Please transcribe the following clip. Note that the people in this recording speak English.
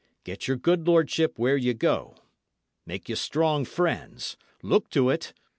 Get your good lordship where ye go; make you strong friends; look to it.